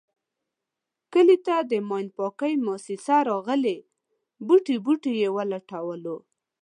کلي ته د ماین پاکی موسیسه راغلې بوټی بوټی یې و لټولو.